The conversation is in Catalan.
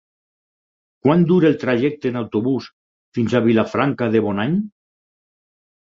Quant dura el trajecte en autobús fins a Vilafranca de Bonany?